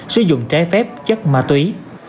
sử dụng trái phép chất ma túy